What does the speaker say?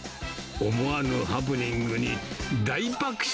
思わぬハプニングに大爆笑。